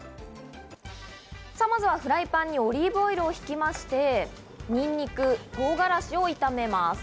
まずはフライパンにオリーブオイルをひきまして、にんにく、唐辛子を炒めます。